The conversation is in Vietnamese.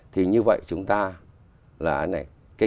thì như vậy chúng ta là anh này